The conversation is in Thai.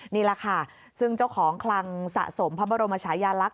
นี่แหละค่ะซึ่งเจ้าของคลังสะสมพระบรมชายาลักษ